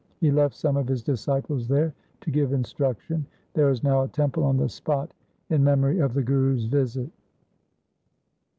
He left some of his disciples there to give instruction. There is now a temple on the spot in memory of the Guru's visit.